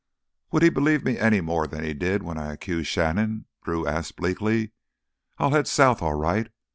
"Would he believe me any more than he did when I accused Shannon?" Drew asked bleakly. "I'll head south, all right.